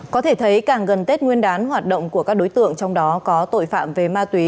có thể thấy càng gần tết nguyên đán hoạt động của các đối tượng trong đó có tội phạm về ma túy